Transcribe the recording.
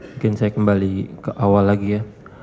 mungkin saya kembali ke awal lagi ya